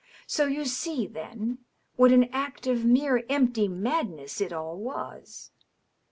" So you see, then, what an act of mere empty madness it all was."